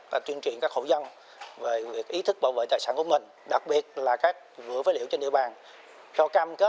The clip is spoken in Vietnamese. và lệnh tạm giam đối với trần đức